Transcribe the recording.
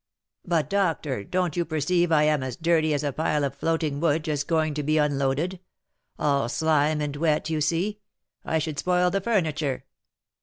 "But, doctor, don't you perceive I am as dirty as a pile of floating wood just going to be unloaded? all slime and wet, you see. I should spoil the furniture."